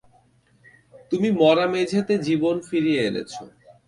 তুমি, মরা মেঝেতে জীবন ফিরিয়ে এনেছো।